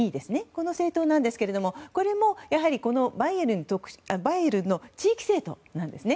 この政党なんですけどバイエルンの地域政党なんです。